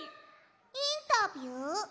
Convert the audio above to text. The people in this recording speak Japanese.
インタビュー？